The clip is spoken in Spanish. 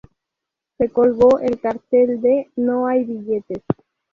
Se colgó el cartel de "No hay billetes".